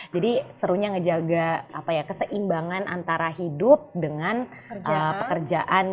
serunya ngejaga keseimbangan antara hidup dengan pekerjaan